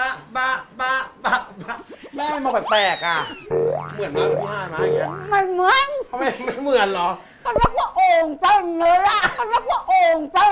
สวยด้วยคะ